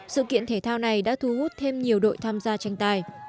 sự kiện thể thao này đã thu hút thêm nhiều đội tham gia tranh tài